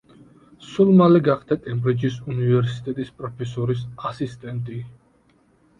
სულ მალე გახდა კემბრიჯის უნივერსიტეტის პროფესორის ასისტენტი.